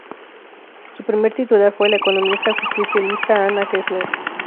Su primer titular fue la economista justicialista Ana Kessler.